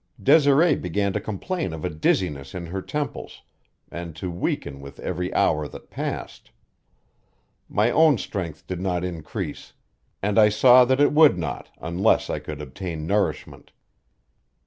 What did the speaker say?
Desiree began to complain of a dizziness in her temples, and to weaken with every hour that passed. My own strength did not increase, and I saw that it would not unless I could obtain nourishment.